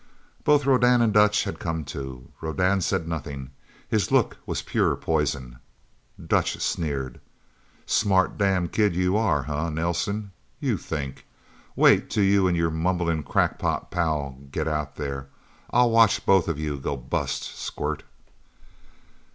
Both Rodan and Dutch had come to. Rodan said nothing. His look was pure poison. Dutch sneered. "Smart damn kid you are, huh, Nelsen? You think! Wait till you and your mumblin' crackpot pal get out there! I'll watch both of you go bust, squirt!"